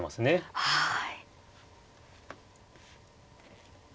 はい。